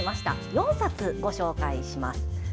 ４冊ご紹介します。